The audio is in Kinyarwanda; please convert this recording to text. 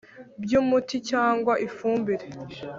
By Umuti Cyangwa Ifumbire